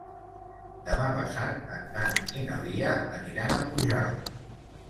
Demà passat en Dan i na Lia aniran a Pujalt.